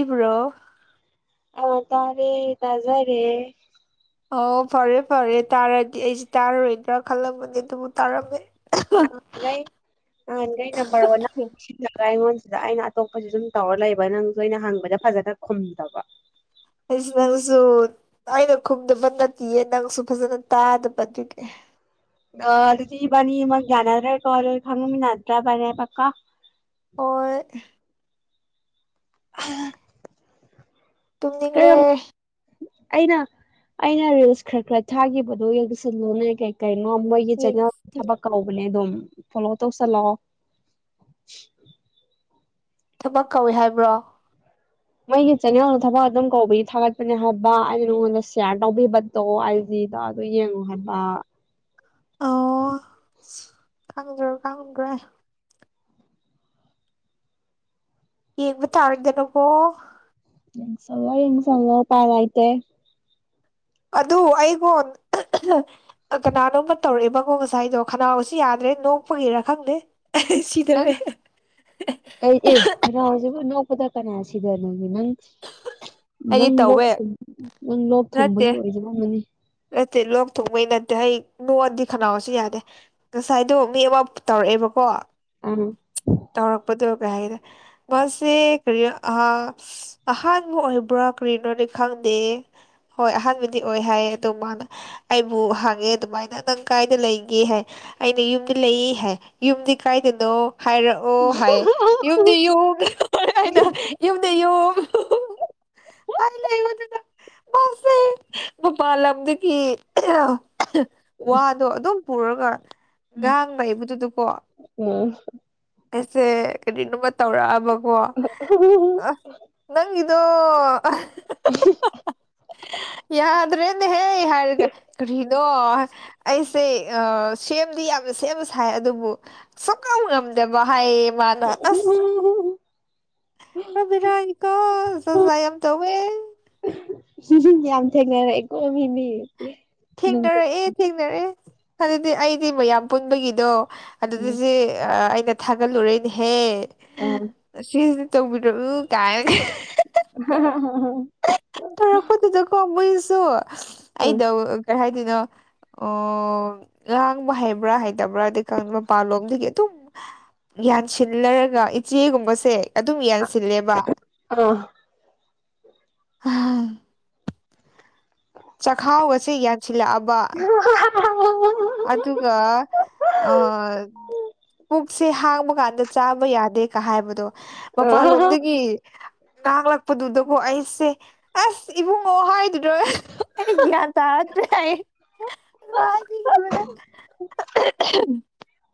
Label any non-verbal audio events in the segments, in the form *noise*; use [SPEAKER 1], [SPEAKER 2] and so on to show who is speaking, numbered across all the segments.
[SPEAKER 1] ꯏꯔꯣ
[SPEAKER 2] ꯑꯣ ꯇꯔꯦ ꯇꯖꯥꯔꯦ
[SPEAKER 1] ꯑꯣ ꯐꯔꯦ ꯐꯔꯦ ꯇꯥꯔꯗꯤ ꯑꯩꯁꯦ ꯇꯥꯔꯔꯣꯏꯗ꯭ꯔꯥ ꯈꯜꯂꯝꯕꯅꯦ ꯑꯗꯨꯕꯨ ꯇꯥꯔꯝꯃꯦ
[SPEAKER 2] ꯅꯍꯥꯟꯒꯩ ꯅꯍꯥꯟꯒꯩ ꯅꯝꯕꯔ ꯑꯣꯟꯅꯕ ꯁꯤꯜꯂꯒ ꯑꯩꯉꯣꯟꯁꯤꯗ ꯑꯩꯅ ꯑꯇꯣꯞꯄꯁꯨ ꯑꯗꯨꯝ ꯇꯧꯔ ꯂꯩꯕ ꯅꯪꯁꯨ ꯑꯩꯅ ꯍꯪꯕꯗ ꯐꯖꯅ ꯈꯨꯝꯗꯕ
[SPEAKER 1] ꯑꯩꯁꯦ ꯅꯪꯁꯨ ꯑꯩꯅ ꯈꯨꯝꯗꯕ ꯅꯠꯇꯤꯌꯦ ꯅꯪꯁꯨ ꯐꯖꯅ ꯇꯥꯗꯕ ꯑꯗꯨꯒꯤ
[SPEAKER 2] ꯑ ꯑꯗꯨꯗꯤ ꯏꯕꯅꯤ ꯑꯃ ꯌꯥꯅꯥꯗ꯭ꯔꯦꯀꯣ ꯑꯗꯨꯗꯤ ꯊꯛꯃꯤꯟꯅꯗ꯭ꯔꯕꯅꯦꯕꯀꯣ
[SPEAKER 1] ꯍꯣꯏ
[SPEAKER 2] ꯑꯍ
[SPEAKER 1] ꯇꯨꯅꯤꯡꯂꯦ
[SPEAKER 2] ꯑꯩꯅ ꯑꯩꯅ ꯔꯤꯜꯁ ꯈꯔ ꯈꯔ ꯊꯥꯈꯤꯕꯗꯨꯣ ꯌꯦꯡꯁꯜꯂꯨꯅ ꯀꯩ ꯀꯩꯅꯣ ꯃꯣꯏꯒꯤ ꯆꯦꯅꯦꯜ
[SPEAKER 1] ꯌꯦꯡꯁꯤ
[SPEAKER 2] ꯊꯕꯛ ꯀꯧꯕꯅꯦ ꯑꯗꯨꯝ ꯐꯣꯂꯣ ꯇꯧꯁꯜꯂꯛꯑꯣ
[SPEAKER 1] ꯊꯕꯛ ꯀꯧꯏ ꯍꯥꯏꯕ꯭ꯔꯣ
[SPEAKER 2] ꯑꯩꯒꯤ ꯆꯦꯅꯦꯜꯗ ꯊꯕꯛ ꯑꯗꯨꯝ ꯀꯧꯕꯒꯤ ꯊꯥꯒꯠꯄꯅꯦ ꯍꯥꯏꯕ ꯑꯩꯅ ꯅꯉꯣꯟꯗ ꯁꯤꯌꯥꯔ ꯇꯧꯕꯤꯕ ꯑꯣ ꯑꯥꯏ ꯖꯤꯗ ꯑꯗꯨ ꯌꯦꯡꯉꯨ ꯍꯥꯏꯕ
[SPEAKER 1] ꯀꯪꯗ꯭ꯔꯣ ꯀꯪꯗ꯭ꯔꯦ ꯌꯦꯡꯕ ꯇꯥꯔꯗꯅꯣ ꯄꯣ
[SPEAKER 2] ꯌꯦꯁꯂꯣ ꯌꯦꯡ ꯁꯂꯣ ꯄꯥꯔꯥꯏꯇꯦ
[SPEAKER 1] ꯑꯗꯨ ꯑꯩꯒꯣꯟ ꯀꯅꯥꯅꯣ ꯇꯧꯔꯛꯑꯦꯕꯀꯣ ꯉꯁꯥꯏꯗꯣ ꯈꯅꯥꯎꯁꯨ ꯌꯥꯗ꯭ꯔꯦ ꯅꯣꯛꯄꯒꯤꯔ ꯈꯪꯗꯦ
[SPEAKER 2] ꯅꯪ
[SPEAKER 1] ꯁꯤꯗꯔꯦ *inaudible*
[SPEAKER 2] ꯑꯩ ꯑꯦ ꯈꯔ ꯍꯧꯖꯤꯛ ꯑꯅꯧꯕꯗ ꯀꯅꯥ ꯁꯤꯗ ꯅꯒꯦ
[SPEAKER 1] ꯑꯩꯗꯤ
[SPEAKER 2] ꯅꯪ ꯂꯣꯛ
[SPEAKER 1] ꯇꯧꯋꯦ
[SPEAKER 2] ꯅꯪ ꯂꯣꯛ
[SPEAKER 1] ꯅꯠꯇꯦ
[SPEAKER 2] ꯊꯨꯡꯕꯒꯤ ꯑꯣꯏꯗꯕ ꯑꯃꯅꯤ
[SPEAKER 1] ꯅꯠꯇꯦ ꯂꯣꯛꯊꯨꯡꯕꯩ ꯅꯠꯇꯦ ꯑꯩ ꯅꯣꯛꯑꯗꯤ ꯈꯅꯥꯎꯁꯤ ꯌꯥꯗꯦ ꯉꯁꯥꯏꯗꯨ ꯃꯤ ꯑꯃ ꯇꯧꯔꯛꯑꯦꯕꯀꯣ
[SPEAKER 2] ꯑ
[SPEAKER 1] ꯇꯧꯔꯛꯄꯗꯒ ꯍꯥꯏꯗꯦ ꯃꯥꯁꯦ ꯀꯔꯤ ꯑꯍꯥꯟꯕ ꯑꯣꯏꯕ꯭ꯔꯥ ꯀꯔꯤꯅꯣꯅꯦ ꯈꯪꯗꯦ ꯍꯣꯏ ꯑꯍꯥꯟꯕꯗꯤ ꯑꯣꯏ ꯍꯥꯏꯌꯦ ꯑꯗꯨ ꯃꯥꯅ ꯑꯩꯕꯨ ꯍꯪꯉꯦ ꯑꯗꯨꯃꯥꯏꯅ ꯅꯪ ꯀꯥꯏꯅ ꯂꯩꯒꯦ ꯍꯥꯏ ꯑꯩꯅ ꯌꯨꯝꯗꯤ ꯂꯩ ꯍꯥꯏ ꯌꯨꯝꯗꯤ ꯀꯥꯏꯗꯅꯣ ꯍꯥꯏꯔꯛꯑꯣ ꯍꯥꯏ ꯌꯨꯝꯗꯤ ꯌꯨꯝ ꯑꯅ ꯌꯨꯝꯗꯤ ꯌꯨꯝ ꯀꯂꯦ ꯌꯨꯗꯒ ꯃꯥꯁꯦ ꯃꯄꯥꯟ ꯂꯝꯗꯒꯤ ꯋꯥꯗꯣ ꯑꯗꯨꯝ ꯄꯨꯔꯒ ꯉꯥꯡ ꯂꯩꯩꯕꯗꯨꯗꯀꯣ ꯑꯩꯁꯦ ꯀꯔꯤꯅꯣꯃ ꯇꯧꯔꯛꯑꯕꯀꯣ ꯅꯪꯒꯤꯗꯣ ꯌꯥꯗ꯭ꯔꯦꯅꯦꯍꯌꯦ ꯍꯥꯏꯔꯒ ꯀꯔꯤꯗꯣ ꯑꯩꯁꯦ ꯁꯦꯝꯗꯤ ꯌꯥꯝꯅ ꯁꯦꯝꯕ ꯁꯥꯏ ꯑꯗꯨꯕꯨ ꯁꯉꯥ‌ꯝ ꯉꯝꯗꯦꯕ ꯍꯥꯏ
[SPEAKER 2] *unintelligible*
[SPEAKER 1] ꯑꯕꯤꯅꯥꯏꯀꯣ ꯆꯁ ꯌꯥꯝ ꯇꯧꯋꯦ
[SPEAKER 2] ꯌꯥꯝ ꯊꯦꯡꯅꯔꯛꯏꯀꯣ ꯃꯤꯗꯤ ꯅꯪ
[SPEAKER 1] ꯊꯦꯡꯅꯔꯛꯑꯦ ꯊꯦꯡꯅꯔꯛꯑꯦ ꯑꯗꯨꯗꯤ ꯑꯩꯗꯤ ꯃꯌꯥꯝ ꯄꯨꯟꯕꯒꯤꯗꯣ ꯑꯗꯨꯗꯗꯤ ꯑꯩꯅ ꯊꯥꯒꯠꯂꯨꯔꯦꯅꯦꯍꯦ
[SPEAKER 2] ꯑ
[SPEAKER 1] ꯁꯤꯁꯤꯗꯤ ꯇꯧꯕꯤꯔꯛꯎ ꯀꯥꯏꯅꯒ
[SPEAKER 2] ꯍꯥꯍꯥꯍꯥ ꯍꯨꯝ ꯍꯨꯝ
[SPEAKER 1] ꯊꯔꯛꯄꯗꯨꯗꯀꯣ ꯃꯣꯏꯁꯨ ꯑꯩꯗ ꯀꯩ ꯍꯥꯏꯗꯣꯏꯅꯣ ꯑꯣ ꯉꯥꯡꯕ ꯍꯩꯕ꯭ꯔꯥ ꯍꯩꯇꯕ꯭ꯔꯥ ꯑꯗꯩ ꯃ ꯄꯥꯟꯂꯣꯝꯗꯒꯤ ꯑꯗꯨꯝ ꯌꯥꯟꯁꯤꯜꯂꯔꯒ ꯏꯆꯦꯒꯨꯝꯕꯁꯦ ꯑꯗꯨꯝ ꯌꯥꯟꯁꯤꯜꯂꯦꯕ
[SPEAKER 2] ꯑꯥ
[SPEAKER 1] ꯍꯥ ꯆꯈꯥꯎ ꯑ ꯑꯁꯤꯦ ꯌꯥꯟꯁꯤꯜꯂꯛꯑꯕ ꯑꯗꯨꯒꯒ ꯑ ꯄꯨꯛꯁꯦ ꯍꯥꯡꯕ ꯀꯥꯟꯗ ꯆꯥꯕ ꯌꯥꯗꯦ ꯀ ꯍꯥꯏꯕꯗꯣ ꯃꯄꯥꯟꯂꯣꯝꯗꯒꯤ ꯉꯥꯡꯂꯛꯄꯗꯨꯗꯒꯣ ꯑꯩꯁꯦ ꯑꯁ ꯏꯕꯨꯡꯉꯣ ꯍꯥꯏꯗꯨꯗꯣ ꯑꯩ ꯒ꯭ꯌꯥꯟ ꯇꯥꯗ꯭ꯔꯦ ꯑꯩ ꯑꯍꯝ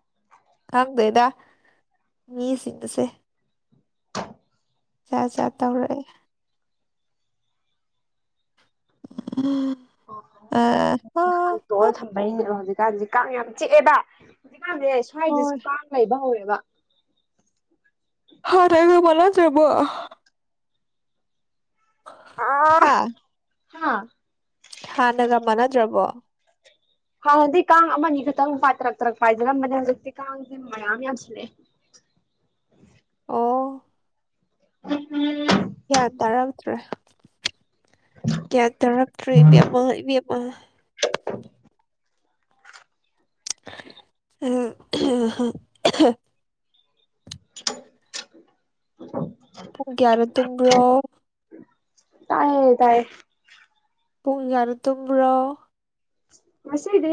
[SPEAKER 1] ꯍꯪꯗꯣꯏꯗ ꯃꯤꯁꯤꯡꯕꯁꯦ ꯆꯥ ꯆꯥ ꯇꯧꯔꯛꯑꯦ ꯎ ꯑ ꯍꯣ
[SPEAKER 2] ꯇꯣꯜ ꯊꯝꯕꯩꯅꯦꯕ ꯍꯧꯖꯤꯛꯀꯥꯟꯁꯤ ꯀꯥꯡ ꯌꯥꯝ ꯆꯤꯛꯑꯦꯕ ꯍꯧꯖꯤꯛꯀꯥꯟꯁꯦ ꯁ꯭ꯋꯥꯏꯗꯁꯨ
[SPEAKER 1] ꯍꯣꯏ
[SPEAKER 2] ꯀꯥꯡ ꯂꯩꯕ ꯍꯧꯔꯦꯕ
[SPEAKER 1] ꯍ ꯇꯥꯏꯒꯣꯕꯣꯂꯣ ꯔꯔꯕꯣ ꯍꯥꯥ
[SPEAKER 2] ꯍꯥꯥ
[SPEAKER 1] ꯍꯥꯟꯅꯒ ꯃꯥꯟꯅꯗ꯭ꯔꯕꯣ
[SPEAKER 2] ꯍꯥꯟꯅꯗꯤ ꯀꯥꯡ ꯑꯃꯅꯤ ꯈꯛꯇꯪ ꯄꯥꯏ ꯇꯔꯛ ꯇꯔꯛ ꯄꯥꯏꯖꯔꯝꯕꯅꯦ ꯍꯧꯖꯤꯛꯇꯤ ꯀꯥꯡꯁꯦ ꯃꯌꯥꯝ ꯌꯥꯝꯁꯤꯜꯂꯛꯑꯦ
[SPEAKER 1] ꯑꯣ
[SPEAKER 2] ꯎꯝ
[SPEAKER 1] ꯒ꯭ꯌꯥꯟ ꯇꯥꯔꯛꯇ꯭ꯔꯦ ꯒ꯭ꯌꯥꯟ ꯇꯥꯔꯛꯇ꯭ꯔꯦ ꯏꯕ ꯑꯃ ꯏꯕ ꯑꯃ ꯑ ꯄꯨꯡ ꯀꯌꯥꯗ ꯇꯨꯝꯕ꯭ꯔꯣ
[SPEAKER 2] ꯇꯥꯏꯌꯦ ꯇꯥꯏꯌꯦ
[SPEAKER 1] ꯄꯨꯡ ꯌꯥꯌꯥꯅ ꯇꯨꯝꯕ꯭ꯔꯣ
[SPEAKER 2] ꯃꯁꯤꯗꯤ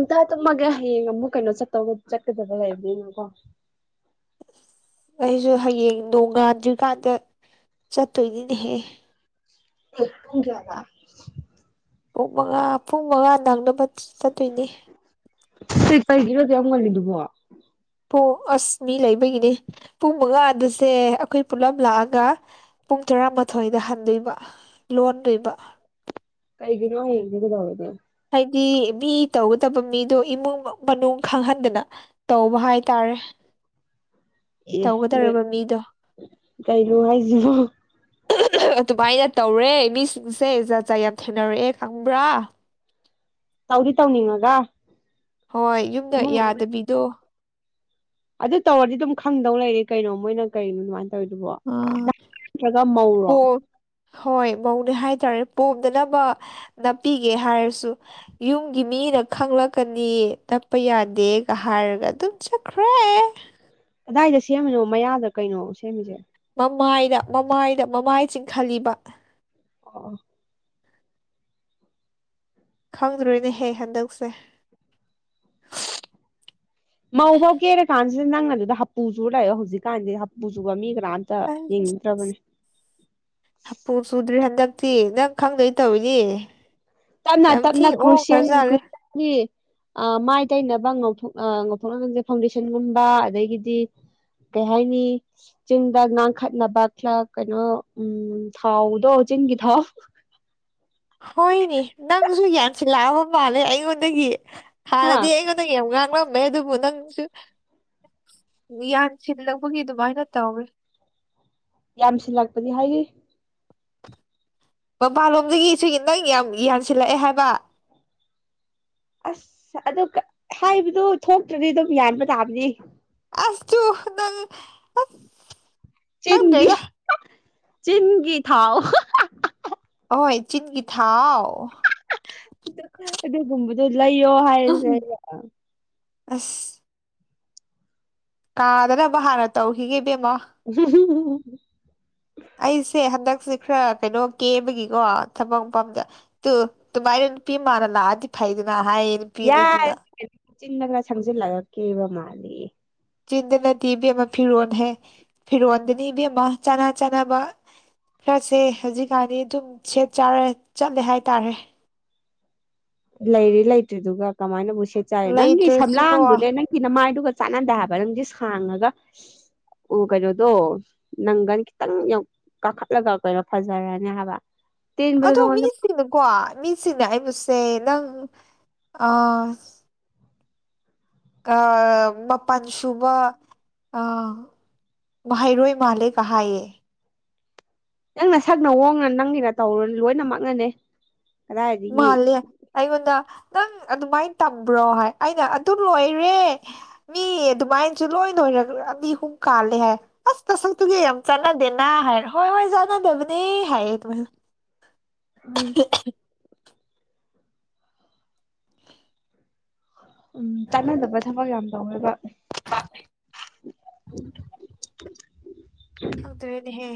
[SPEAKER 2] ꯑꯇ ꯇꯃꯒ ꯍꯌꯦꯡ ꯉꯨ ꯀꯩꯅꯣ ꯆꯠꯠꯇꯒ ꯆꯠꯗꯕ ꯂꯩꯕꯅꯤꯦꯅꯀꯣ
[SPEAKER 1] ꯑꯩꯁꯨ ꯍꯌꯦꯡ ꯅꯣꯡꯉꯥꯟꯗ꯭ꯔꯤꯀꯥꯟꯗ ꯆꯠꯇꯣꯏꯅꯤꯅꯦꯍꯦ
[SPEAKER 2] ꯑꯦꯛꯇꯨꯡ ꯌꯥꯕ
[SPEAKER 1] ꯄꯨꯡ ꯃꯉꯥ ꯄꯨꯡ ꯃꯉꯥ ꯅꯪꯅꯕ ꯆꯠꯇꯣꯏꯅꯤ
[SPEAKER 2] ꯁꯤ ꯀꯥꯏꯒꯤꯔꯣꯗꯤ ꯌꯥꯝ ꯉꯜꯂꯤꯗꯨꯕꯣ
[SPEAKER 1] ꯑꯁ ꯃꯤ ꯂꯩꯕꯒꯤꯅꯦ ꯄꯨꯡ ꯃꯉꯥ ꯑꯗꯨꯁꯦ ꯑꯩꯈꯣꯏ ꯄꯨꯂꯞ ꯂꯥꯛꯑꯒ ꯄꯨꯡ ꯇꯔꯥꯃꯥꯊꯣꯏꯗ ꯍꯟꯗꯣꯏꯕ ꯂꯣꯟꯗꯣꯏꯕ
[SPEAKER 2] ꯇꯩꯒꯤ ꯋꯥ ꯍꯒꯗꯕꯗ *inaudible*
[SPEAKER 1] ꯍꯥꯏꯗꯤ ꯃꯤ ꯇꯧꯒꯗꯕ ꯃꯤꯗꯨ ꯏꯃꯨꯡ ꯃꯅꯨꯡ ꯈꯪꯍꯟꯗꯅ ꯇꯧꯕ ꯍꯥꯏꯇꯥꯔꯦ
[SPEAKER 2] ꯑꯦ ꯅ
[SPEAKER 1] ꯇꯧꯒꯗꯧꯔꯕ ꯃꯤꯗꯣ
[SPEAKER 2] ꯀꯩꯅꯣ ꯍꯥꯏꯁꯤꯕꯨ
[SPEAKER 1] ꯑꯗꯨꯃꯥꯏꯅ ꯇꯧꯔꯦ ꯃꯤꯁꯤꯡꯁꯦ ꯖꯥꯠ ꯖꯥ ꯌꯥꯝ ꯊꯦꯡꯅꯔꯛꯑꯦ ꯈꯪꯕ꯭ꯔꯥ
[SPEAKER 2] ꯇꯧꯗꯤ ꯇꯧꯅꯤꯡꯉꯒ
[SPEAKER 1] ꯍꯣꯏ ꯌꯨꯝꯗ
[SPEAKER 2] ꯏꯃꯨꯡ
[SPEAKER 1] ꯌꯥꯗꯕꯤꯗꯣ
[SPEAKER 2] ꯑꯗꯨ ꯇꯧꯔꯗꯤ ꯑꯗꯨꯝ ꯈꯪꯗꯧ ꯂꯩꯔꯦ ꯀꯩꯅꯣ ꯃꯣꯏꯅ ꯀꯩꯅꯅꯣ ꯑꯗꯨꯃꯥꯏꯅ ꯇꯧꯋꯗꯨꯕꯣ
[SPEAKER 1] ꯑꯥ
[SPEAKER 2] ꯅꯠꯇ꯭ꯔꯒ ꯃꯧꯔꯣ
[SPEAKER 1] ꯄꯣ ꯍꯣꯏ ꯃꯧꯅꯦ ꯍꯥꯏꯇꯥꯔꯦ ꯄꯣꯝꯗꯅꯕ ꯅꯞꯄꯤꯒꯦ ꯍꯥꯏꯔꯁꯨ ꯌꯨꯝꯒꯤ ꯃꯤꯅ ꯈꯪꯂꯛꯀꯅꯤ ꯆꯠꯄ ꯌꯥꯗꯦꯒ ꯍꯥꯏꯔꯒ ꯑꯗꯨꯝ ꯆꯠꯈ꯭ꯔꯦ
[SPEAKER 2] ꯀꯗꯥꯏꯗ ꯁꯦꯝꯃꯤꯅꯣ ꯃꯌꯥꯗ ꯀꯩꯅꯣ ꯁꯦꯝꯃꯤꯁꯦ
[SPEAKER 1] ꯃꯃꯥꯏꯗ ꯃꯃꯥꯏꯗ ꯃꯃꯥꯏ ꯆꯤꯡꯈꯠꯂꯤꯕ
[SPEAKER 2] ꯑ
[SPEAKER 1] ꯈꯪꯗ꯭ꯔꯣꯏꯅꯦꯍꯦ ꯍꯟꯗꯛꯁꯦ
[SPEAKER 2] ꯃꯧ ꯐꯧ ꯀꯦꯔ ꯀꯥꯟꯁꯤꯗ ꯅꯪꯅ ꯑꯗꯨꯗ ꯍꯞꯄꯨꯁꯨꯨꯔ ꯂꯩꯥꯛꯑꯣ ꯍꯧꯖꯤꯛꯀꯥꯟꯗꯤ ꯍ ꯍꯥꯄꯨ ꯆꯨꯕ ꯃꯤ ꯀꯥ ꯇ
[SPEAKER 1] ꯑꯁ
[SPEAKER 2] ꯌꯦꯡꯅꯤꯡꯗꯕꯅꯤ
[SPEAKER 1] ꯍꯥꯄꯨ ꯆꯨꯗ꯭ꯔꯔꯤ ꯍꯟꯗꯛꯇꯤ ꯅꯪ ꯈꯪꯗꯣꯏ ꯇꯧꯋꯤꯅꯦ
[SPEAKER 2] ꯇꯅ
[SPEAKER 1] ꯌꯥꯝ ꯊꯤ
[SPEAKER 2] ꯇꯞꯅ ꯀ꯭ꯔꯔꯤꯁꯟ
[SPEAKER 1] ꯑꯣꯈ꯭ꯔꯖꯥꯠꯂꯦ
[SPEAKER 2] ꯀ꯭ꯔꯤꯁꯟꯒꯤ ꯑ ꯃꯥꯏ ꯇꯩꯅꯕ ꯉꯧꯊꯣꯛ ꯑ ꯉꯧꯊꯣꯛꯅ ꯐꯥꯎꯟꯗꯦꯁꯟꯒꯨꯝꯕ ꯑꯗꯒꯤꯗꯤ ꯀꯦ ꯍꯥꯏꯥꯏꯅꯤ ꯆꯤꯟꯗ ꯉꯥꯡꯈꯠꯅꯕ ꯈ ꯀꯩꯅꯣ ꯎꯝ ꯊꯥꯎꯗꯣ ꯆꯤꯡꯒꯤ ꯊꯥꯎ
[SPEAKER 1] ꯍꯣꯏꯅꯦ ꯅꯪꯁꯨ ꯌꯥꯝꯁꯤꯜꯂꯛꯑꯕ ꯃꯥꯜꯂꯦ ꯑꯩꯉꯣꯟꯗꯒꯤ
[SPEAKER 2] ꯍꯥ
[SPEAKER 1] ꯍꯥꯟꯅꯗꯤ ꯑꯩꯉꯣꯟꯗ ꯅꯪ ꯌꯥꯝ ꯉꯥꯡꯂꯝꯃꯦ ꯑꯗꯨꯕꯨ ꯅꯪꯁꯨ ꯌꯥꯟꯁꯤꯜꯂꯛꯄꯒꯤ ꯑꯗꯨꯃꯥꯏꯅ ꯇꯧꯋꯦ
[SPEAKER 2] ꯌꯥꯝꯁꯤꯜꯂꯛꯄꯗꯤ ꯍꯥꯏꯗꯤ
[SPEAKER 1] ꯃꯄꯥꯟꯂꯣꯝꯗꯒꯤ ꯁꯤꯒꯤ ꯅꯪ ꯌꯥꯝ ꯌꯥꯟꯁꯤꯜꯂꯛꯑꯦ ꯍꯥꯏꯕ
[SPEAKER 2] ꯑꯁ ꯑꯗꯨ ꯍꯥꯏꯕꯗꯨ ꯊꯣꯛꯇ꯭ꯔꯗꯤ ꯑꯗꯨꯝ ꯌꯥꯟꯕ ꯇꯥꯕꯅꯤ
[SPEAKER 1] ꯑꯁꯁꯨ ꯅꯪ
[SPEAKER 2] ꯆꯤꯟꯒꯤ
[SPEAKER 1] ꯈꯪꯗ꯭ꯔꯦꯗ
[SPEAKER 2] ꯆꯤꯟꯒꯤ ꯊꯥꯎ
[SPEAKER 1] ꯍꯣꯏ ꯆꯤꯟꯒꯤ ꯊꯥꯎ
[SPEAKER 2] ꯑꯗꯨꯒꯨꯝꯕꯗꯣ ꯂꯩꯌꯣ ꯍꯥꯏꯔꯁꯦ
[SPEAKER 1] ꯑꯁ ꯀꯥꯗꯅꯕ ꯍꯥꯟꯅ ꯇꯧꯈꯤꯒꯦ ꯏꯕꯦꯝꯃꯣ
[SPEAKER 2] ꯎ
[SPEAKER 1] ꯑꯩꯁꯦ ꯍꯟꯗꯛꯁꯦ ꯈꯔ ꯀꯩꯅꯣ ꯀꯦꯕꯒꯤꯀꯣ ꯊꯕꯛ ꯃꯐꯝꯗ ꯇꯨ ꯇꯨ ꯃꯥꯥꯏ ꯅꯨꯄꯤ ꯃꯥꯅ ꯂꯥꯛꯑꯗꯤ ꯐꯥꯏꯗꯅ ꯍꯥꯏ
[SPEAKER 2] ꯌꯥꯔꯦꯆꯤꯟꯅ ꯈ ꯁꯪꯖꯤꯜꯂꯛꯂꯀꯦꯕ ꯃꯥꯜꯂꯤ
[SPEAKER 1] ꯆꯤꯟꯗꯅꯗꯤ ꯏꯕꯦꯝ ꯑꯃ ꯐꯤꯔꯣꯜ ꯍꯥꯏꯦ ꯐꯤꯔꯣꯜꯗꯅꯤ ꯏꯕꯦꯝ ꯑꯃ ꯆꯥꯅ ꯆꯥꯅꯕ *unintelligible* ꯁꯦ ꯍꯧꯖꯤꯛꯀꯥꯟꯗꯤ ꯑꯗꯨꯝ ꯁꯦꯠ ꯆꯥꯔ ꯆꯠꯂꯦ ꯍꯥꯏꯇꯥꯔꯦ
[SPEAKER 2] ꯂꯩꯔꯤ ꯂꯩꯇ꯭ꯔꯤꯗꯨꯒ ꯀꯃꯥꯏꯅꯕꯨ ꯁꯦꯠ ꯆꯥꯏꯅꯣ ꯅꯪꯒꯤ
[SPEAKER 1] ꯂꯩꯇ꯭ꯔꯁꯨꯀꯣ
[SPEAKER 2] ꯁꯝꯂꯥꯡꯗꯨꯅꯦ ꯅꯪ ꯅꯒꯤ ꯅꯃꯥꯏꯗꯨꯒ ꯆꯥꯟꯅꯗꯦ ꯍꯥꯏꯕ ꯅꯪꯁꯦ ꯁꯥꯡꯉꯒ ꯑꯣ ꯀꯩꯅꯣꯗꯣ ꯅꯥꯡꯒꯟ ꯈꯤꯇꯪ ꯌꯥꯝ ꯀꯥꯈꯠꯂ ꯀꯛꯄꯩꯔꯣ ꯐꯖꯔꯅꯤ ꯍꯥꯏꯕ ꯇꯦꯟꯕꯗꯣ
[SPEAKER 1] ꯑꯗꯣ
[SPEAKER 2] ꯅꯪꯉꯣꯟꯗ
[SPEAKER 1] ꯃꯤꯁꯤꯡꯅꯀꯣ ꯃꯤꯁꯤꯡꯅ ꯑꯩꯕꯨꯁꯦ ꯅꯪ ꯑꯥ ꯑ ꯃꯄꯥꯟꯁꯨꯨꯕ ꯑ ꯃꯍꯩꯔꯣꯏ ꯃꯥꯜꯂꯦ ꯀ ꯍꯥꯏꯌꯦ
[SPEAKER 2] ꯅꯪ ꯅꯁꯛ ꯅꯋꯣꯡꯅ ꯅꯪꯒꯤ ꯅꯇꯧꯅ ꯂꯣꯏꯅ ꯃꯛꯅꯅꯤ
[SPEAKER 1] ꯃꯥꯜꯂꯦ ꯑꯩꯉꯣꯟꯗ ꯅꯪ ꯑꯗꯨꯃꯥꯏꯅ ꯇꯝꯕ꯭ꯔꯣ ꯍꯥꯏ ꯑꯩꯅ ꯑꯗꯨ ꯂꯣꯏꯔꯦ ꯃꯤ ꯑꯗꯨꯃꯥꯏꯅꯁꯨ ꯂꯣꯏ ꯂꯣꯏꯔꯒꯔ ꯃꯤ ꯑꯍꯨꯝ ꯀꯥꯜꯂꯦ ꯍꯥꯏ ꯑꯁ ꯅꯁꯛꯇꯨꯗꯤ ꯌꯥꯝ ꯆꯥꯟꯅꯗꯦꯅꯥ ꯍꯥꯏꯔ ꯍꯣꯏ ꯍꯣꯏ ꯆꯥꯟꯗꯕꯅꯤ ꯍꯥꯏꯔꯦ
[SPEAKER 2] ꯎꯝ
[SPEAKER 1] *unintelligible* *unintelligible*
[SPEAKER 2] ꯎꯝ ꯆꯥꯟꯅꯗꯕ ꯊꯕꯛ ꯌꯥꯝ ꯇꯧꯋꯦꯕ
[SPEAKER 1] *unintelligible* ꯈꯪꯗ꯭ꯔꯦꯅꯦꯍꯦ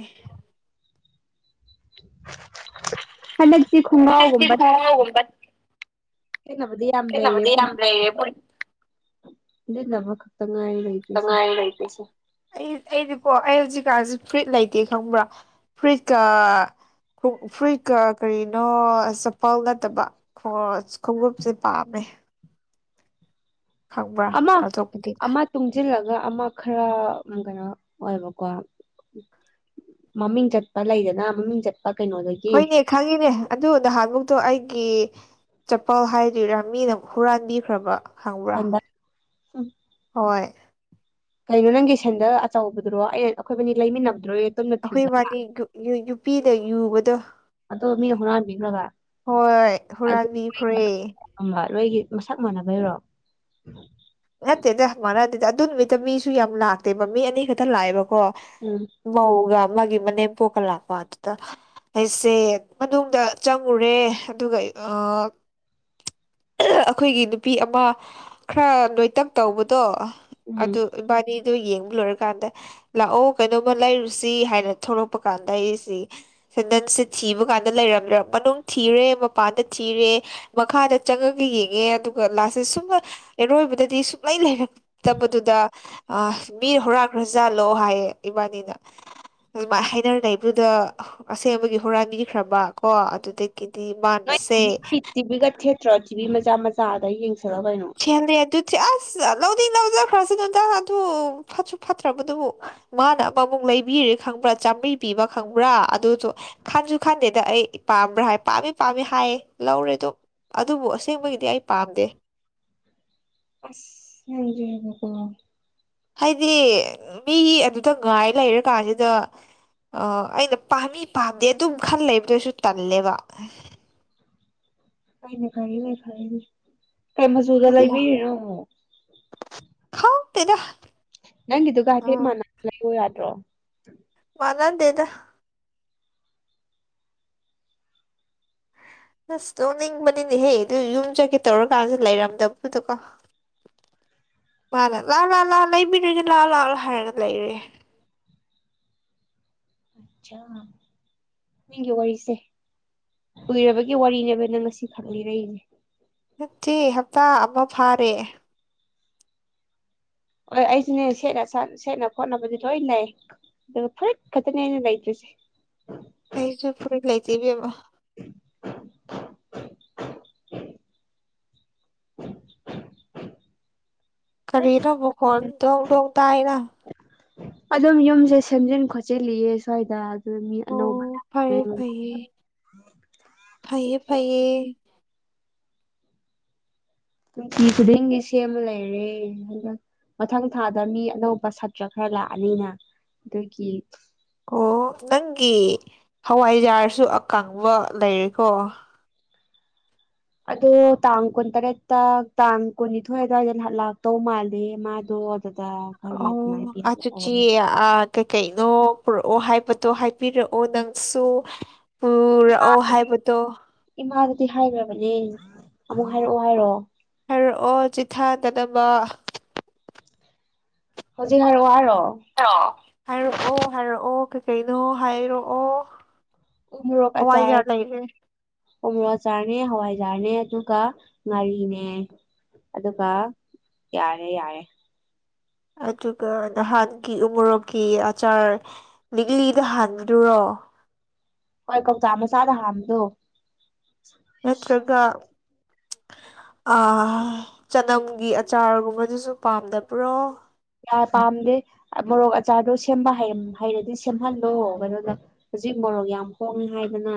[SPEAKER 2] *unintelligible* ꯈꯣꯡꯒ꯭ꯔꯥꯎꯒꯨꯝꯕ
[SPEAKER 1] *unintelligible*
[SPEAKER 2] ꯁꯤꯖꯟꯅꯕꯗꯤ ꯌꯥꯝ
[SPEAKER 1] ꯁꯦꯠꯅꯕꯗꯤ
[SPEAKER 2] ꯂꯩꯔꯦꯕꯨ
[SPEAKER 1] ꯌꯥꯝ ꯂꯩꯔꯦꯕꯨ
[SPEAKER 2] ꯁꯤꯖꯟꯅ ꯈꯛꯇ ꯉꯥꯏꯔꯦ ꯂꯩꯗ꯭ꯔꯤꯁꯦ
[SPEAKER 1] ꯉꯥꯏꯔꯦ ꯂꯩꯇ꯭ꯔꯤꯁꯦ ꯑꯩ ꯑꯩꯗꯤꯀꯣ ꯑꯩ ꯍꯧꯖꯤꯛꯀꯥꯟꯁꯦ ꯐꯨꯔꯤꯠ ꯂꯩꯇꯦ ꯈꯪꯕ꯭ꯔꯥ ꯐꯨꯔꯤꯠꯀ ꯐꯨꯔꯤꯠꯀ ꯀꯔꯤꯅꯣ ꯆꯄꯜ ꯅꯠꯇꯕ *unintelligible* ꯈꯣꯡꯎꯞꯁꯦ ꯄꯥꯝꯃꯦ ꯈꯪꯕ꯭ꯔꯥ *unintelligible*
[SPEAKER 2] ꯇꯨꯡꯖꯤꯜꯂꯒ ꯑꯃ ꯈꯔ ꯎꯝ ꯀꯩꯅꯣ ꯑꯣꯏꯕꯀꯣ ꯃꯃꯤꯡ ꯆꯠꯄ ꯂꯩꯗꯅ ꯃꯃꯤꯡ ꯆꯠꯄ ꯀꯩꯅꯣꯗꯒꯤ
[SPEAKER 1] ꯍꯣꯏꯅꯦ ꯈꯪꯉꯤꯅꯦ ꯑꯗꯨ ꯅꯍꯥꯟꯃꯨꯛꯇꯣ ꯑꯩꯒꯤ ꯆꯄꯜ ꯍꯥꯏꯗꯤ ꯔꯥꯃꯤꯅ ꯑꯃꯛ ꯍꯨꯔꯥꯟꯕꯤꯈ꯭ꯔꯕ ꯈꯪꯕ꯭ꯔꯥ
[SPEAKER 2] ꯁꯗ ꯎꯝ
[SPEAKER 1] ꯍꯣꯏ
[SPEAKER 2] ꯀꯩꯅꯣ ꯅꯪꯒꯤ ꯁꯟꯗ ꯑꯆꯧꯕꯗꯨꯔꯣ ꯑ ꯑꯩꯈꯣꯏꯕꯅꯤ ꯂꯩꯃꯤꯟꯅꯕꯗꯨꯣ
[SPEAKER 1] ꯑꯩꯈꯣꯏ ꯃꯥꯗꯤ ꯌꯨꯄꯤꯗ ꯌꯨꯕꯗꯣ
[SPEAKER 2] ꯑꯗꯣ ꯃꯤ ꯍꯧꯅ ꯃꯤ꯭ꯔꯒꯥꯏ
[SPEAKER 1] ꯍꯣꯏ ꯍꯨꯔꯥꯟꯕꯤꯈ꯭ꯔꯦ
[SPEAKER 2] ꯑꯝꯕ ꯂꯣꯏꯒꯤ ꯃꯁꯛ ꯃꯥꯟꯅꯕꯩꯔꯣ
[SPEAKER 1] ꯅꯠꯇꯦꯗ ꯍꯪ ꯃꯥꯟꯅꯗꯦꯗ ꯑꯗꯨ ꯅꯨꯃꯤꯠꯇ ꯃꯤꯁꯨ ꯌꯥꯝ ꯂꯥꯛꯇꯦꯕ ꯃꯤ ꯑꯅꯤ ꯈꯛꯇ ꯂꯥꯛꯑꯦꯕꯀꯣ
[SPEAKER 2] ꯎꯝ
[SPEAKER 1] ꯃꯧꯒ ꯃꯥꯒꯤ ꯃꯅꯦꯝ ꯄꯣꯛꯀ ꯂꯥꯛꯄ ꯑꯗꯨꯗ ꯑꯩꯁꯦ ꯃꯅꯨꯡꯗ ꯆꯪꯉꯨꯔꯦ ꯑꯗꯨꯒ ꯑ ꯑꯈꯣꯏꯒꯤ ꯅꯨꯄꯤ ꯑꯃ ꯈꯔ ꯅꯣꯏꯇꯛ ꯇꯧꯕꯗꯣ
[SPEAKER 2] ꯎꯝ
[SPEAKER 1] ꯑꯗꯨ ꯏꯕꯥꯅꯤꯗꯣ ꯌꯦꯡꯕ ꯂꯣꯏꯔꯀꯥꯟꯗ ꯂꯥꯛꯑꯣ ꯀꯩꯅꯣꯝꯃ ꯂꯩꯔꯨꯁꯤ ꯍꯥꯏꯅ ꯊꯣꯛꯂꯛꯄ ꯀꯥꯟꯗ ꯑꯩꯁꯤ ꯁꯦꯟꯗꯟꯁꯦ ꯊꯤꯕ ꯀꯥꯟꯗ ꯂꯩꯔꯝꯗ꯭ꯔꯦ ꯃꯅꯨꯡ ꯊꯤꯔꯦ ꯃꯄꯥꯟꯗ ꯊꯤꯔꯦ ꯃꯈꯥꯗ ꯆꯪꯉꯒ ꯌꯦꯡꯉꯦ ꯑꯗꯨꯒ ꯂꯥꯁ ꯇ ꯁꯨꯝꯕ ꯑꯔꯣꯏꯕꯗꯗꯤ ꯁꯨꯡꯛꯂꯩ ꯂꯩꯔ ꯇꯕꯗꯨꯗ ꯑ ꯃꯤ ꯍꯨꯔꯥꯟꯈꯒ꯭ꯔꯖꯥꯠꯂꯣ ꯍꯥꯏꯌꯦ ꯏꯕꯥꯅꯤꯅ ꯑꯗꯨꯃꯥꯏ ꯍꯥꯏꯅꯔ ꯂꯩꯩꯕꯗꯨꯗ ꯑꯁꯦꯡꯕꯒꯤ ꯍꯨꯔꯥꯟꯕꯤꯈ꯭ꯔꯕ ꯀꯣ ꯑꯗꯨꯗꯩ ꯒꯤꯗꯤ ꯃꯥ
[SPEAKER 2] ꯅꯣꯏ ꯇꯤꯚꯤ ꯇꯤꯚꯤꯒ ꯊꯦꯠꯇ꯭ꯔꯣ ꯇꯤꯚꯤ ꯃꯆꯥ ꯃꯆꯥ ꯑꯗ ꯌꯦꯡꯁꯤꯂꯣ ꯀꯩꯅꯣ
[SPEAKER 1] ꯊꯦꯠꯂꯦ ꯑꯗꯨꯗꯤ ꯑꯁ ꯂꯧꯗꯤ ꯂꯧꯖꯈ꯭ꯔꯁꯅꯨꯗ ꯑꯗꯨ ꯐꯠꯁꯨ ꯐꯠꯇ꯭ꯔꯕꯗꯨꯕꯨ ꯃꯥꯅ ꯑꯃꯃꯨꯛ ꯂꯩꯕꯤꯔꯦ ꯈꯪꯕ꯭ꯔꯥ ꯆꯥꯝꯃ꯭ꯔꯤ ꯄꯤꯕ ꯈꯪꯕ꯭ꯔꯥ ꯑꯗꯨꯁꯨ ꯈꯟꯁꯨ ꯈꯟꯗꯦꯗ ꯑꯩ ꯄꯥꯝꯕ꯭ꯔꯥ ꯍꯥꯏ ꯄꯥꯝꯃꯤ ꯄꯥꯝꯃꯤ ꯍꯥꯏꯌꯦ ꯂꯧꯔꯦꯗꯨ ꯑꯗꯨꯕꯨ ꯑꯁꯦꯡꯕꯒꯤꯗꯤ ꯑꯩ ꯄꯥꯝꯗꯦ
[SPEAKER 2] ꯑꯁ ꯅꯪ ꯁꯨ
[SPEAKER 1] ꯍꯥꯏꯗꯤ ꯃꯤ ꯒꯤ ꯑꯗꯨꯗ ꯉꯥꯏ ꯂꯩꯔ ꯀꯥꯟꯁꯤꯗ ꯑ ꯑꯩꯅ ꯄꯥꯝꯃꯤ ꯄꯥꯝꯗꯦ ꯑꯗꯨꯝ ꯈꯟ ꯂꯩꯕꯗꯁꯨ ꯇꯜꯂꯦꯕ
[SPEAKER 2] ꯂꯩꯅꯦ ꯈꯅꯦ ꯈꯔꯤꯅꯦ ꯀꯩ ꯃꯆꯨꯗ ꯂꯩꯕꯤꯔꯤꯅꯣ ꯑꯃꯨꯛ
[SPEAKER 1] ꯈꯪꯇꯦꯇ
[SPEAKER 2] ꯅꯪꯒꯤꯗꯨꯒ ꯍꯥꯏꯐꯦꯠ ꯃꯥꯟꯅꯕ ꯂꯩꯌꯨ ꯌꯥꯗ꯭ꯔꯣ
[SPEAKER 1] ꯃꯥꯅꯗꯦꯗ ꯑꯁ ꯇꯣꯛꯅꯤꯡꯕꯅꯤꯅꯦꯍꯦ ꯑꯗꯨ ꯌꯨꯝ ꯆꯠꯀꯦ ꯇꯧꯔꯀꯥꯟꯁꯨ ꯂꯩꯔꯝꯗꯕꯗꯨꯗꯀꯣ ꯃꯥꯅ ꯂꯥ ꯂꯥꯛꯑꯣ ꯂꯥꯛꯑꯣ ꯂꯩꯕꯤꯔꯒꯦ ꯂꯥꯛꯑꯣ ꯂꯥꯛꯑꯣ ꯍꯥꯏꯔꯒ ꯂꯩꯔꯦ
[SPEAKER 2] ꯑꯆꯥ ꯄꯨꯛꯅꯤꯡꯒꯤ ꯋꯥꯔꯤꯁꯦ ꯀꯨꯏꯔꯕꯒꯤ ꯋꯥꯔꯤꯅꯦꯕ ꯅꯪ ꯉꯁꯤ ꯈꯛ ꯂꯤꯔꯛꯏꯅꯦ
[SPEAKER 1] ꯅꯠꯇꯦ ꯍꯞꯇꯥ ꯑꯃ ꯐꯥꯔꯦ
[SPEAKER 2] ꯍꯣꯢ ꯑꯩꯁꯤꯅꯦ ꯁꯦꯠꯅ ꯁꯦꯠꯅ ꯈꯣꯠꯅꯕꯗꯤ ꯂꯣꯏ ꯂꯩ ꯑꯗꯨ ꯑꯨꯔꯤꯠ ꯈꯛꯇꯅꯦ ꯑꯩꯅ ꯂꯩꯇꯔꯤ ꯁꯦ
[SPEAKER 1] ꯑꯩꯁꯨ ꯐꯨꯔꯤꯠ ꯂꯩꯇꯦ ꯢꯕꯦꯝꯃ
[SPEAKER 2] ꯐꯨꯔꯤꯠ
[SPEAKER 1] ꯀꯔꯤꯔ ꯃꯈꯣꯟ ꯗꯣꯡ ꯗꯣꯡ ꯇꯥꯢꯅ
[SPEAKER 2] ꯑꯗꯨꯝ ꯌꯨꯝꯁꯦ ꯁꯦꯝꯖꯤꯟ ꯈꯣꯠꯆꯤꯜꯂꯤꯑꯦ ꯁ꯭ꯋꯥꯏꯗ ꯃꯤ
[SPEAKER 1] ꯑꯣ
[SPEAKER 2] ꯑꯅꯧ ꯕ
[SPEAKER 1] *unintelligible* ꯐꯩꯌꯦ ꯐꯩꯌꯦ
[SPEAKER 2] ꯅꯨꯡꯇꯤ ꯈꯨꯗꯤꯡꯒꯤ ꯁꯦꯝꯕ ꯂꯩꯔꯦ ꯑꯗꯨꯒ ꯃꯊꯪ ꯊꯥꯗ ꯃꯤ ꯑꯅꯧꯕ ꯁꯥꯇ꯭ꯔ ꯈꯔ ꯂꯥꯛꯑꯅꯤꯅ ꯑꯗꯨꯒꯤ
[SPEAKER 1] ꯑꯣ ꯅꯪꯒꯤ ꯍꯋꯥꯏꯖꯥꯔꯁꯨ ꯑꯀꯪꯕ ꯂꯩꯔꯦꯀꯣ
[SPEAKER 2] ꯑꯗꯣ ꯇꯥꯡ ꯀꯨꯟꯇꯔꯦꯠꯇ ꯇꯥꯡ ꯀꯨꯟꯅꯤꯊꯣꯏ ꯑꯗꯨꯋꯥꯏꯗ ꯅꯍ ꯂꯥꯛꯇꯧ ꯃꯥꯜꯂꯦ ꯃꯥꯗꯣ ꯑꯗꯨꯗ ꯈꯪꯗꯦ
[SPEAKER 1] ꯑꯣ
[SPEAKER 2] ꯑꯗꯨꯃꯥꯏꯅ
[SPEAKER 1] ꯑꯆꯨ ꯆꯤ
[SPEAKER 2] ꯄꯤꯍꯜꯂꯛꯑꯣ
[SPEAKER 1] ꯑ ꯀꯩ ꯀꯩꯅꯣ ꯄꯨꯔꯛꯑꯣ ꯍꯥꯏꯕꯗꯣ ꯍꯥꯏꯕꯤꯔꯛꯑꯣ ꯅꯪꯁꯨ ꯄꯨꯔꯛꯑꯣ ꯍꯥꯏꯕꯗꯣ
[SPEAKER 2] ꯏꯃꯥꯗꯗꯤ ꯍꯥꯏꯒ꯭ꯔꯕꯅꯦ ꯑꯃꯨꯛ ꯍꯥꯏꯔꯛꯑꯣ ꯍꯥꯏꯔꯣ
[SPEAKER 1] ꯍꯥꯏꯔꯛꯑꯣ ꯆꯤꯠꯊꯥꯒꯗꯕ
[SPEAKER 2] ꯍꯧꯖꯤꯛ ꯍꯥꯏꯔꯛꯑꯣ ꯍꯥꯏꯔꯣ
[SPEAKER 1] ꯍꯥꯏꯔꯛꯑꯣ ꯍꯥꯏꯔꯛꯑꯣ ꯀꯩꯀꯩꯅꯣ ꯍꯥꯏꯔꯛꯑꯣ
[SPEAKER 2] ꯎ ꯃꯣꯔꯣꯛ ꯑꯆꯥꯔ
[SPEAKER 1] ꯍꯋꯥꯏꯖꯥꯔ ꯂꯩꯔꯦ
[SPEAKER 2] ꯎꯃꯣꯔꯣꯛ ꯑꯆꯥꯔꯅꯦ ꯍꯋꯥꯏꯖꯥꯔꯅꯦ ꯑꯗꯨꯒ ꯉꯥꯔꯤꯅꯦ ꯑꯗꯨꯒ ꯌꯥꯔꯦ ꯌꯥꯔꯦ
[SPEAKER 1] ꯑꯗꯨꯒ ꯅꯍꯥꯟꯒꯤ ꯎꯣꯔꯣꯛꯀꯤ ꯑꯆꯥꯔ ꯂꯤꯛꯂꯤꯗ ꯍꯥꯟꯕꯗꯨꯔꯣ
[SPEAKER 2] ꯍꯣꯏ ꯀꯧꯇꯥ ꯃꯆꯥꯗ ꯍꯥꯟꯕꯗꯣ
[SPEAKER 1] ꯅꯠꯇ꯭ꯔꯒ ꯑꯥ ꯆꯅꯝꯒꯤ ꯑꯆꯥꯔꯒꯨꯝꯕꯗꯨꯁꯨ ꯄꯥꯝꯗꯕ꯭ꯔꯣ
[SPEAKER 2] ꯌꯥ ꯄꯥꯝꯗꯦ ꯃꯣꯔꯣꯛ ꯑꯆꯥꯔꯗꯣ ꯁꯦꯝꯕ ꯍꯩꯔꯝ ꯍꯩꯔꯗꯤ ꯁꯦꯝꯍꯜꯂꯣ ꯀꯩꯅꯣꯗ ꯍꯧꯖꯤꯛ ꯃꯣꯔꯣꯛ ꯌꯥꯝ ꯍꯣꯡꯉꯦ ꯍꯥꯏꯗꯅ